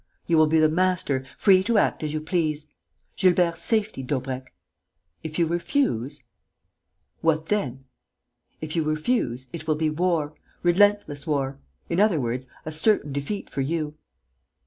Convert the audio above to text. You will be the master, free to act as you please. Gilbert's safety, Daubrecq! If you refuse...." "What then?" "If you refuse, it will be war, relentless war; in other words, a certain defeat for you."